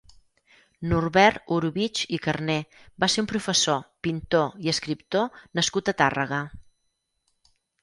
Norbert Orobitg i Carné va ser un professor, pintor i escriptor nascut a Tàrrega.